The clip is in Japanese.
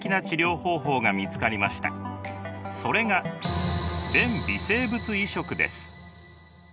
それが便微生物移植です。